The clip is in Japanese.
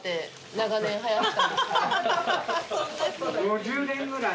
５０年ぐらい。